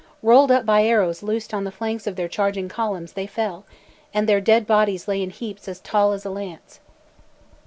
Rolled up by arrows loosed on the flanks of their charging columns, they fell, and their dead bodies lay in heaps as tall as a lance.